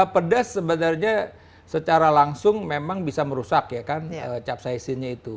pedas sebenarnya secara langsung memang bisa merusak ya kan capsisinnya itu